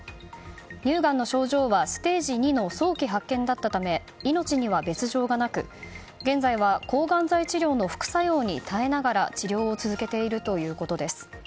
乳がんの症状はステージ２の早期発見だったため命に別条がなく現在は抗がん剤治療の副作用に耐えながら治療を続けているということです。